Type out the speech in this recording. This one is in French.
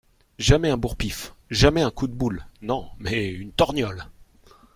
Jamais un bourre-pif, jamais un coup de boule, non, mais une torgnole